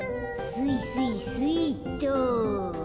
スイスイスイっと。